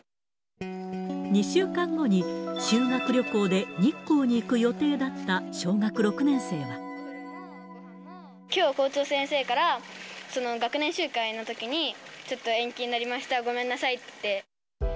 ２週間後に修学旅行で日光にきょう、校長先生から学年集会のときに、ちょっと延期になりました、ごめんなさいって。